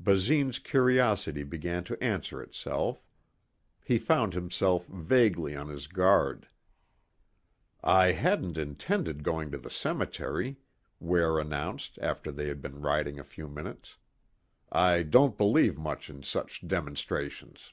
Basine's curiosity began to answer itself. He found himself vaguely on his guard. "I hadn't intended going to the cemetery," Ware announced after they had been riding a few minutes. "I don't believe much in such demonstrations."